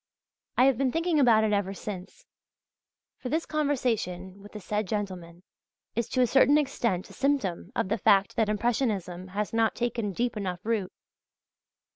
I have been thinking about it ever since; for this conversation with the said gentlemen is to a certain extent a symptom of the fact that Impressionism has not taken deep enough root.